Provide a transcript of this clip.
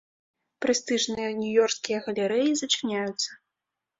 Прэстыжныя нью-ёрскія галерэі зачыняюцца.